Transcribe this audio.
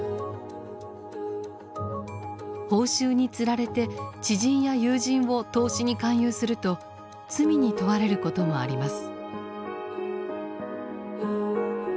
報酬につられて知人や友人を投資に勧誘すると罪に問われることもあります。